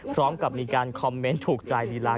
พร้อมกับมีการคอมเมนต์ถูกใจลีลา